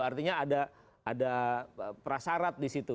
artinya ada prasarat di situ